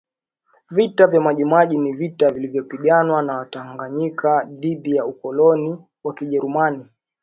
Vita vya Maji Maji ni vita vilivyopiganwa na Watanganyika dhidi ya ukoloni wa kijerumani